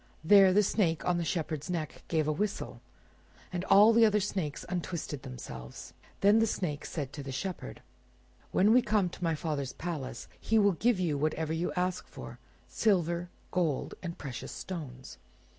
There the Snake on the Shepherd's neck gave a whistle, and all the other snakes untwisted themselves. Then the Snake said to the Shepherd— "When we come to my father's palace he will give you whatever you ask for: silver, gold, and precious stones.